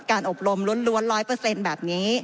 การอบรมรวดร้วน๑๐๐แบบนี้